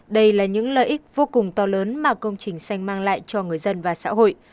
đây là những lợi ích vô cùng to lớn mà công trình xanh mang lại cho người dân và xã hội